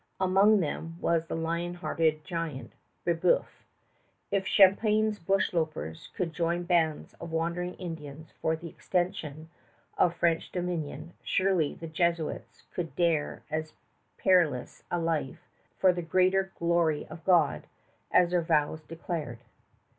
Among them was the lion hearted giant, Brébeuf. If Champlain's bush lopers could join bands of wandering Indians for the extension of French dominion, surely the Jesuits could dare as perilous a life "for the greater glory of God," as their vows declared.